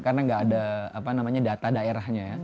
karena nggak ada data daerahnya